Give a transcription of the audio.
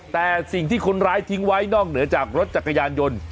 แต่สิ่งที่คนร้ายทิ้งไว้นอกเหนือจากรถจักรยานยนต์